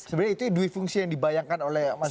sebenarnya itu duifungsi yang dibayangkan oleh masyarakat